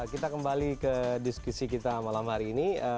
kita kembali ke diskusi kita malam hari ini